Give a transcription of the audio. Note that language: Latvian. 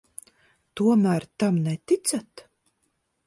Tomēr tam neticat?